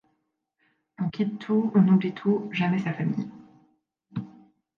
On quitte tout, on oublie tout ; jamais sa famille.